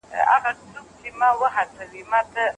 آیا ته د دې وړتیا لرې چې په یوازې ځان مقابله وکړې؟